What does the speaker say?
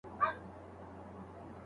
موږ لا پراته یو وینو ناخوالي